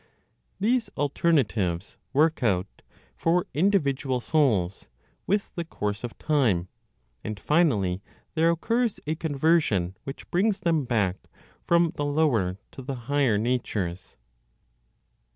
These alternatives work out, for individual souls, with the course of time; and finally there occurs a conversion which brings them back from the lower to the higher natures.